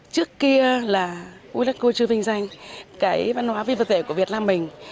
trước kia là ulaco chưa vinh danh cái văn hóa phi vật thể của việt nam mình